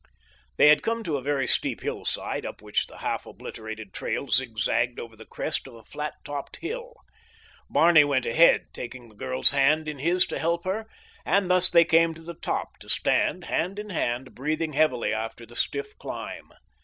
They had come to a very steep hillside, up which the half obliterated trail zigzagged toward the crest of a flat topped hill. Barney went ahead, taking the girl's hand in his to help her, and thus they came to the top, to stand hand in hand, breathing heavily after the stiff climb.